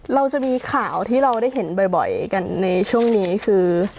เราจะมีข่าวที่เราได้เห็นบ่อยกันในช่วงนี้คือ